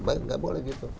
baik tidak boleh gitu